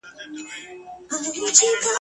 کشکي زما او ستا بهار لکه د ونو د شنېلیو !.